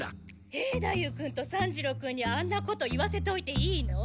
兵太夫君と三治郎君にあんなこと言わせておいていいの？